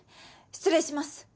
失礼します！